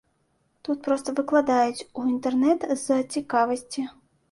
Тут проста выкладаюць у інтэрнэт з-за цікавасці.